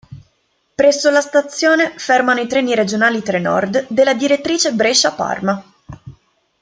Presso la stazione fermano i treni regionali Trenord della direttrice Brescia-Parma.